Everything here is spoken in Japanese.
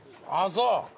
そう。